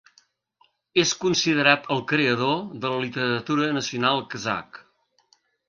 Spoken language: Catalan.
És considerat el creador de la literatura nacional kazakh.